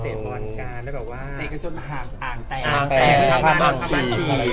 เตะกันจนหามอ่างแต่งพอพอบันชี